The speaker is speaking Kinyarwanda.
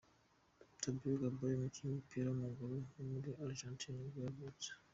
Fabián Caballero, umukinnyi w’umupira w’amaguru wo muri Argentine nibwo yavutse.